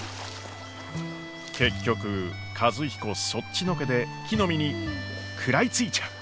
結局和彦そっちのけで木の実に食らいついちゃう。